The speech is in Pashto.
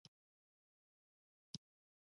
آزاد تجارت مهم دی ځکه چې واکسین خپروي.